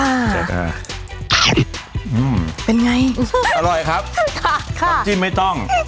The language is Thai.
ค่ะอืมเป็นไงอร่อยครับค่ะค่ะต้องจิ้มไม่ต้อง